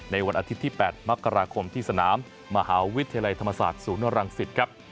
วันอาทิตย์ที่๘มกราคมที่สนามมหาวิทยาลัยธรรมศาสตร์ศูนย์รังสิตครับ